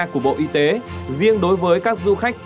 của bộ y tế riêng đối với các du khách